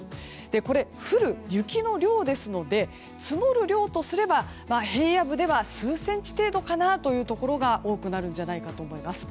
これは降る雪の量ですので積もる量とすれば平野部では数センチ程度かなというところが多くなるかと思います。